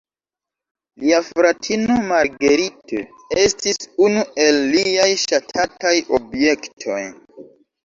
Lia fratino, Marguerite, estis unu el liaj ŝatataj objektoj.